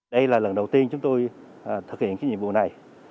đây là lần đầu tiên chúng tôi thực hiện cái nhiệm vụ này